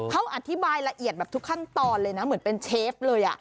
เขาอธิบายละเอียดแบบทุกขั้นตอนเลยนะเหมือนเป็นเชฟเลย